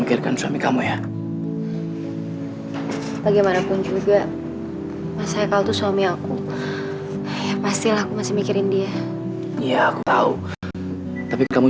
kayaknya di daerahmu